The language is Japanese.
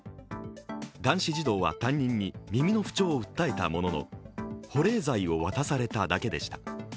男子児童は担任に耳の不調を訴えたものの保冷剤を渡されただけでした。